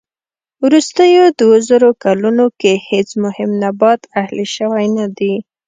وروستيو دووزرو کلونو کې هېڅ مهم نبات اهلي شوی نه دي.